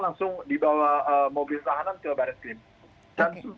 langsung dibawa mobil tahanan ke baris krim